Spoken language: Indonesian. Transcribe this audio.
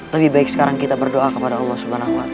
lebih baik sekarang kita berdoa kepada allah swt